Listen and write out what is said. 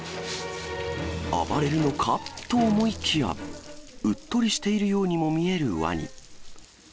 暴れるのか？と思いきや、うっとりしているようにも見えるワニ。